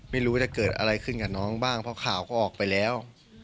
ไม่รู้ว่าจะเกิดอะไรขึ้นกับน้องบ้างเพราะข่าวก็ออกไปแล้ว